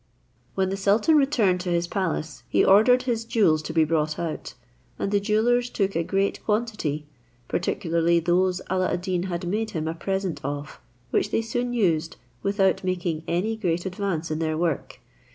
When the sultan returned to his palace, he ordered his jewels to be brought out, and the jewellers took a great quantity, particularly those Alla ad Deen had made him a present of, which they soon used, without making any greet advance in their work.